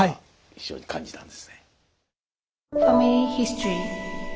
非常に感じたんですね。